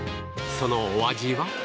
そのお味は？